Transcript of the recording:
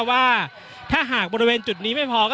อย่างที่บอกไปว่าเรายังยึดในเรื่องของข้อ